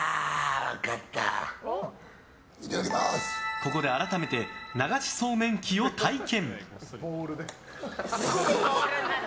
ここで改めて流しそうめん器を体験。